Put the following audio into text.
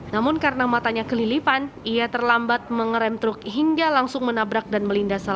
namun karena matanya kelilipan ia terlambat mengerem truk hingga langsung menabrak dan melindas